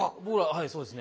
はいそうですね。